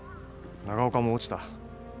長岡も落ちた。